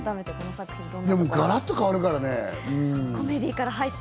ガラリと変わるからね。